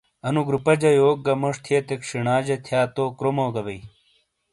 اَنو گروپہ جہ یوک گہ موݜ تھئیتک ݜینا جہ تھیا تو کرومو گہ بئی ۔